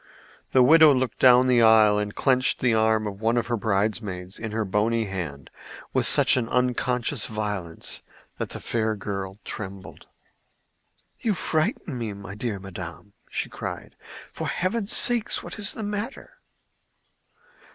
The widow looked down the aisle and clenched the arm of one of her bridemaids in her bony hand with such unconscious violence that the fair girl trembled. "You frighten me, my dear madam," cried she. "For heaven's sake, what is the matter?"